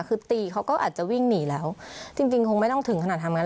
คือตีเขาก็อาจจะวิ่งหนีแล้วจริงจริงคงไม่ต้องถึงขนาดทำงาน